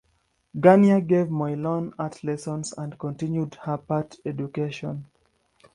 Garnier gave Moillon art lessons and continued her art education.